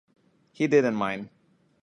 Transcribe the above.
He did in mine